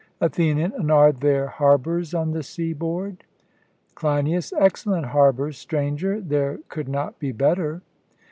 ATHENIAN: And are there harbours on the seaboard? CLEINIAS: Excellent harbours, Stranger; there could not be better.